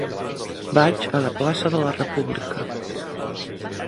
Vaig a la plaça de la República.